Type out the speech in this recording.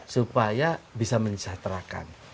supaya bisa mensejahterakan